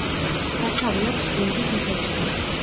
სათავე აქვს პინდის მთებში.